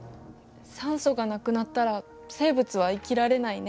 酸素がなくなったら生物は生きられないね。